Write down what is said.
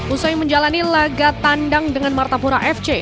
usai menjalani laga tandang dengan martapura fc